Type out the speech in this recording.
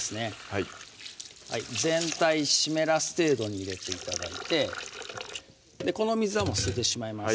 はい全体湿らす程度に入れて頂いてこの水はもう捨ててしまいます